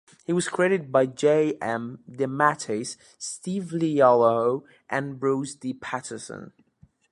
He was created by J. M. DeMatteis, Steve Leialoha, and Bruce D. Patterson.